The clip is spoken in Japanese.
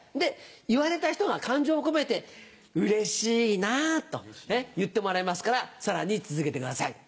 言われた人が感情を込めて「うれしいな」と言ってもらいますからさらに続けてください。